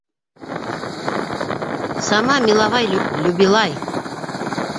Сама милавай любилай